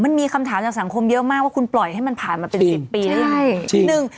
มันมีคำถามจากสังคมเยอะมากว่าคุณปล่อยให้มันผ่านมาเป็น๑๐ปีได้ยังไง